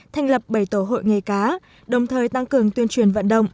thành lập bảy tổ hội nghề cá đồng thời tăng cường tuyên truyền vận động